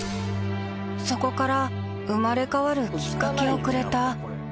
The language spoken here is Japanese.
そこから生まれ変わるきっかけをくれた曲もある